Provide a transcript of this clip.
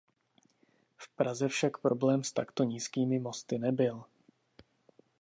V Praze však problém s takto nízkými mosty nebyl.